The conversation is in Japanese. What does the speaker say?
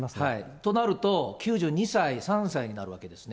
となると、９２歳、３歳になるわけですね。